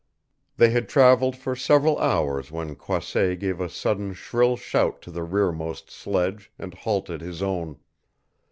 They had traveled for several hours when Croisset gave a sudden shrill shout to the rearmost sledge and halted his own.